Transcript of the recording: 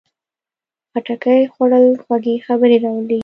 خټکی خوړل خوږې خبرې راولي.